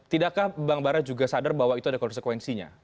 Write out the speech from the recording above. tidakkah bang bara juga sadar bahwa itu ada konsekuensinya